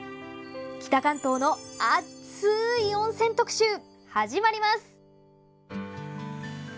北関東のあっつい温泉特集始まります！